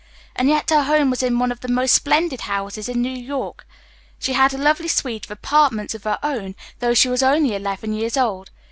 And yet her home was in one of the most splendid houses in New York. She had a lovely suite of apartments of her own, though she was only eleven years old.